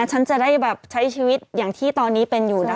ฉันจะได้แบบใช้ชีวิตอย่างที่ตอนนี้เป็นอยู่นะคะ